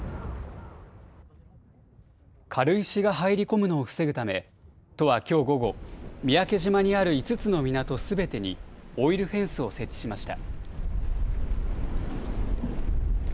軽石が入り込むのを防ぐため都はきょう午後、三宅島にある５つの港すべてにオイルフェンスを設置しました。